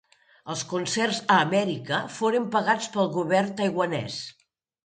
Els concerts a Amèrica foren pagats pel govern taiwanès.